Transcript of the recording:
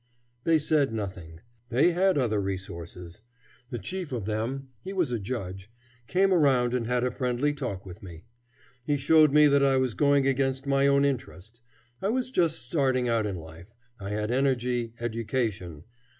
They said nothing. They had other resources. The chief of them he was a judge came around and had a friendly talk with me. He showed me that I was going against my own interest. I was just starting out in life. I had energy, education.